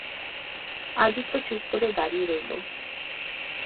আদিত্য চুপ করে দাঁড়িয়ে রইল।